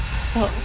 そう。